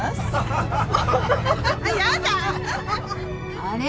あれ？